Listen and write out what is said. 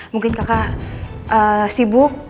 mungkin kakak sibuk